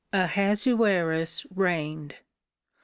Ahasuerus reigned.